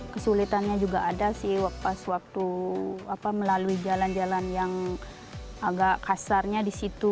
kesulitannya juga ada sih pas waktu melalui jalan jalan yang agak kasarnya di situ